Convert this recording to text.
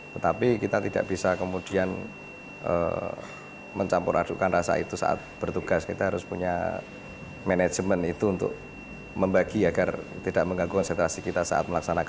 tetapi kita tidak bisa kemudian mencampur adukan rasa itu saat bertugas kita harus punya manajemen itu untuk membagi agar tidak mengganggu konsentrasi kita saat melaksanakan